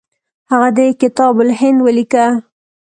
هغه د کتاب الهند ولیکه.